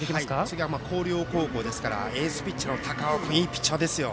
次は広陵高校ですからエースピッチャーの高尾君はいいピッチャーですよ。